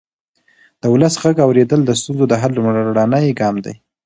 د ولس غږ اورېدل د ستونزو د حل لومړنی ګام دی